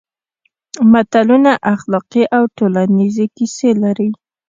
متلونه اخلاقي او ټولنیزې کیسې لري